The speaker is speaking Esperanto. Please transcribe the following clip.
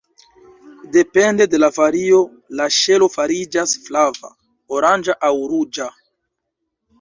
Depende de la vario la ŝelo fariĝas flava, oranĝa aŭ ruĝa.